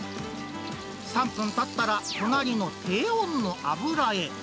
３分たったら、隣の低温の油へ。